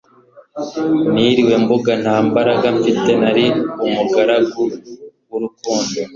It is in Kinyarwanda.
niriwe mbunga nta mbaraga mfite ,nari umugaragu cwurukundo